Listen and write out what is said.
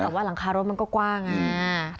แต่ว่าหลังคารถมันก็กว้างไง